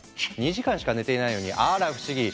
２時間しか寝てないのにあら不思議！